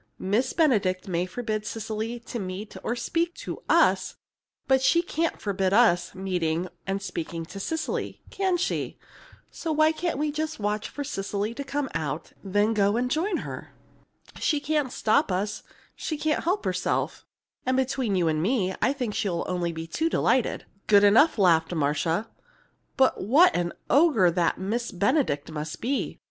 "Miss Benedict may forbid Cecily to meet or speak to us, but she can't forbid us meeting and speaking to Cecily, can she? So why can't we just watch for Cecily to come out, and then go and join her? She can't stop us she can't help herself; and between you and me, I think she'll be only too delighted!" "Good enough!" laughed Marcia. "But what an ogre that Miss Benedict must be!